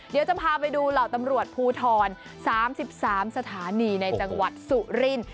เดี๋ยวจะพาไปดูเหล่าตำรวจภูทร๓๓สถานีในจังหวัดสุรินทร์